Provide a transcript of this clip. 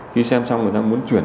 khi xem xong người ta muốn chuyển